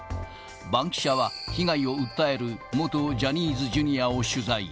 バンキシャは、被害を訴える元ジャニーズＪｒ．を取材。